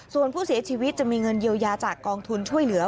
ส่วนผู้เสียชีวิตจะมีเงินเยียวยาจากกองทุนช่วยเหลือ